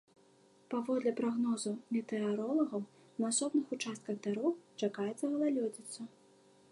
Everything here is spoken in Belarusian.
Паводле прагнозу метэаролагаў, на асобных участках дарог чакаецца галалёдзіца.